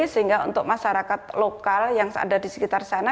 sehingga untuk masyarakat lokal yang ada di sekitar sana